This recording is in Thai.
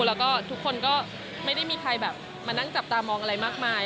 แล้วก็ทุกคนก็ไม่ได้มีใครแบบมานั่งจับตามองอะไรมากมาย